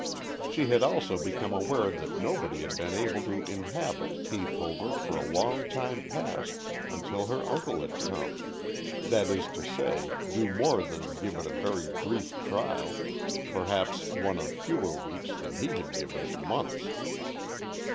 She had also become aware that nobody had been able to inhabit Heath Hover for a long time past until her uncle had come; that is to say, do more than give it a very brief trial, perhaps one of fewer weeks than he had given it months.